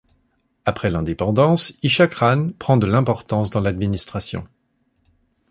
Après l'indépendance, Ishaq Khan prend de l'importance dans l'administration.